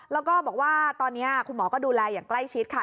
แล้วก็บอกว่าตอนนี้คุณหมอก็ดูแลอย่างใกล้ชิดค่ะ